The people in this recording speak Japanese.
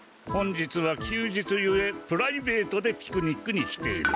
本日は休日ゆえプライベートでピクニックに来ている。